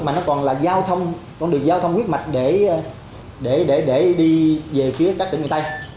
mà nó còn là con đường giao thông quyết mạch để đi về phía các tỉnh người tây